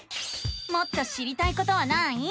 もっと知りたいことはない？